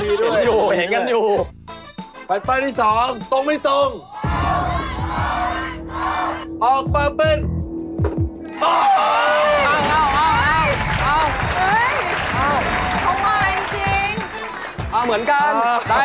เอาหรือเปงอ่ะออกมันเป็น